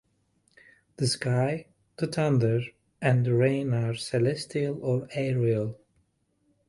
The sky, the thunder, and the rain are celestial or aerial.